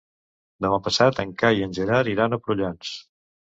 Demà passat en Cai i en Gerard iran a Prullans.